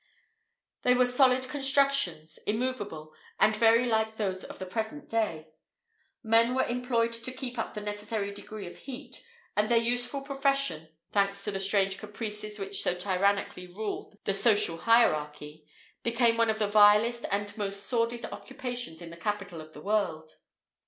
They were solid constructions, immoveable, and very like those of the present day.[IV 44] Men were employed to keep up the necessary degree of heat; and their useful profession (thanks to the strange caprices which so tyrannically rule the social hierarchy) became one of the vilest and most sordid occupations in the capital of the world.